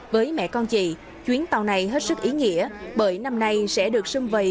với mẹ con chị chuyến tàu này hết sức ý nghĩa bởi năm nay sẽ được xâm vầy